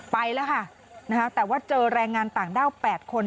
ไปแล้วค่ะแต่ว่าเจอแรงงานต่างด้าว๘คน